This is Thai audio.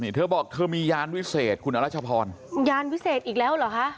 นี่เธอบอกเธอมียานวิเศษคุณอรัชพรยานวิเศษอีกแล้วเหรอคะ